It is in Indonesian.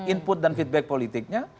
input dan feedback politiknya